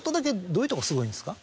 どういうとこすごいんですか？